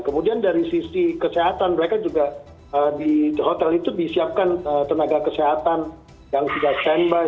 kemudian dari sisi kesehatan mereka juga di hotel itu disiapkan tenaga kesehatan yang sudah standby